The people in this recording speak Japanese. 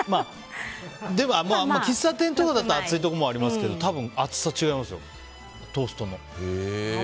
喫茶店とかだと厚いところありますけど多分厚さ違うんですよ。トーストの。